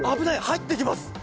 入ってきます。